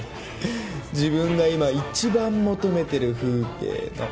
自分が今一番求めてる風景の。